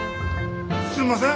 すんません